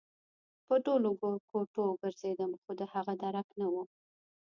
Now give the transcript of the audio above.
په ټولو کوټو وګرځېدم خو د هغه درک نه و